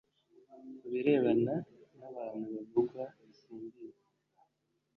ku birebana n abantu bavugwa simbizi